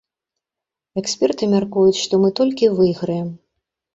Эксперты мяркуюць, што мы толькі выйграем.